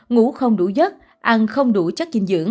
ngủ không đủ giấc ăn không đủ chất dinh dưỡng